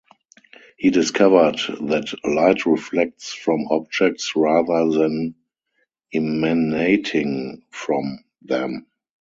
He discovered that light reflects from objects rather than emanating from them.